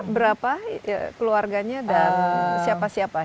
berapa keluarganya dan siapa siapa